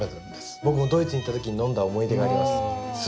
僕もドイツに行った時に飲んだ思い出があります。